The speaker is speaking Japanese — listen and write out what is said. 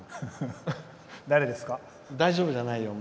大丈夫じゃないよ。